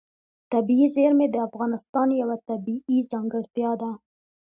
طبیعي زیرمې د افغانستان یوه طبیعي ځانګړتیا ده.